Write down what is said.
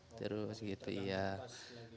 iya lagi kontrol dikasih tanggal berapa tanggal berapanya